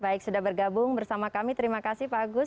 baik sudah bergabung bersama kami terima kasih pak agus